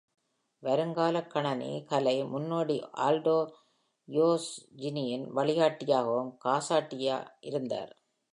வருங்கால கணினி கலை முன்னோடி ஆல்டோ ஜியோர்ஜினியின் வழிகாட்டியாகவும் காசாட்டி இருந்தார்.